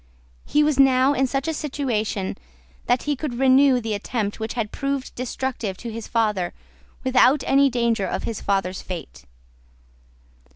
He was now in such a situation that he could renew the attempt which had proved destructive to his father without any danger of his father's fate.